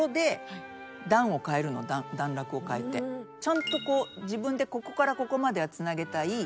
ちゃんとこう自分でここからここまでは繋げたい